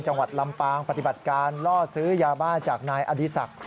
จังหวัดลำปางปฏิบัติการล่อซื้อยาบ้าจากนายอดีศักดิ์